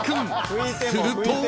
［すると］